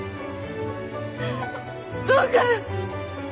どうか。